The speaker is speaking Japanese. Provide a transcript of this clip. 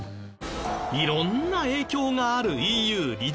色んな影響があるＥＵ離脱。